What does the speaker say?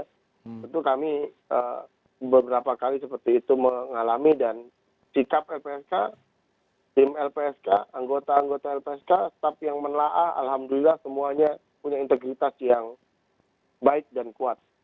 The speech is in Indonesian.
tentu kami beberapa kali seperti itu mengalami dan sikap lpsk tim lpsk anggota anggota lpsk staff yang menelaah alhamdulillah semuanya punya integritas yang baik dan kuat